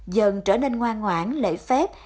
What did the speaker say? dần trở nên ngoan ngoãn lễ phép